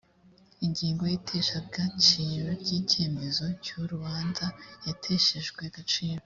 ingingo y’iteshagaciro ry’icyemezo cyu rubanza yateshwejwe agaciro